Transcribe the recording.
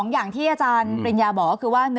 อย่างที่อาจารย์ปริญญาบอกก็คือว่า